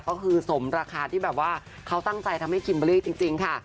ก็คือสมราคาที่แบบว่าเขาตั้งใจทำให้คิมเบอร์รี่จริงค่ะ